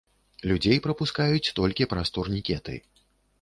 Людзей прапускаюць толькі праз турнікеты.